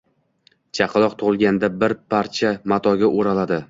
Chaqaloq tug‘ilganida bir parcha matoga o‘raladi.